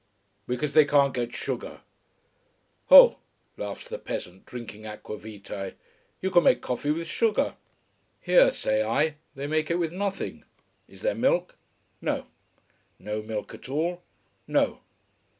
Because they can't get sugar. Ho! laughs the peasant drinking aqua vitae. You make coffee with sugar! Here, say I, they make it with nothing. Is there milk? No. No milk at all? No.